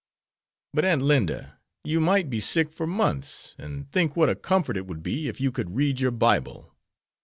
"But, Aunt Linda, you might be sick for months, and think what a comfort it would be if you could read your Bible."